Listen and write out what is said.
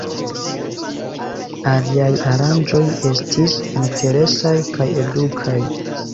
Aliaj aranĝoj estis interesaj kaj edukaj.